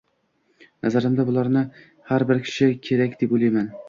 Nazarimda, bularni har kim bilishi kerak, deb o`yladim